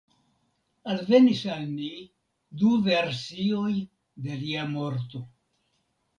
Alvenis al ni du versioj de lia morto.